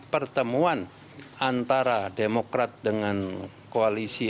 pertemuan antara demokrat dengan koalisi